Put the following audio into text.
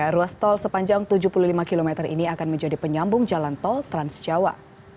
ruas tol sepanjang tujuh puluh lima km ini akan menjadi penyambung jalan tol transjawa